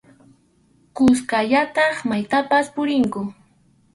Kuskallataq maytapas purinku.